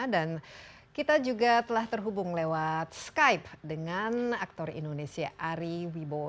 dan kita juga telah terhubung lewat skype dengan aktor indonesia ari wibowo